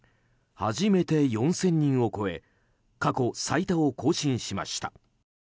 初めて４０００人を超え過去最多を更新しました。